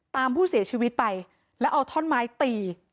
ตามผู้เสียชีวิตไปแล้วเอาท่อนไม้ตี